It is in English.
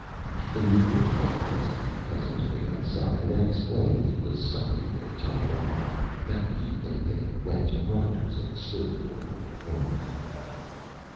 The New York Man asked the Cousin to wait Outside, and then explained that he was stopping there Temporarily. That Evening they went to Proctor's, and stood during the Performance.